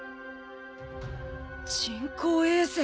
人工衛星！